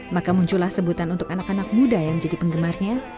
maka muncullah sebutan untuk anak anak muda yang menjadi penggemarnya